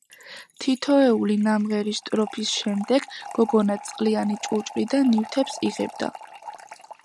თითოეული ნამღერი სტროფის შემდეგ გოგონა წყლიანი ჭურჭლიდან ნივთებს იღებდა.